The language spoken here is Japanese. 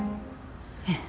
ええ。